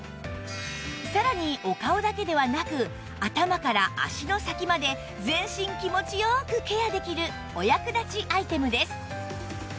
さらにお顔だけではなく頭から足の先まで全身気持ち良くケアできるお役立ちアイテムです